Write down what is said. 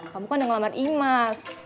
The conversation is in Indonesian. kamu kan yang ngelamar imaz